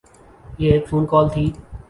یہ ایک phone call تھی۔